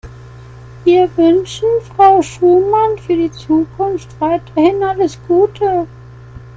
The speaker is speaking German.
Wir wünschen Frau Schumann für die Zukunft weiterhin alles Gute.